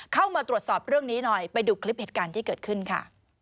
เข้ามาตรวจสอบเรื่องนี้หน่อยไปดูคลิปเหตุการณ์ที่เกิดขึ้นค่ะ